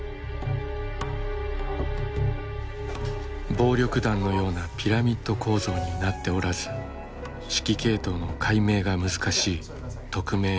暴力団のようなピラミッド構造になっておらず指揮系統の解明が難しい匿名・流動型犯罪グループ。